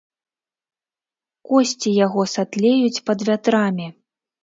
Косці яго сатлеюць пад вятрамі.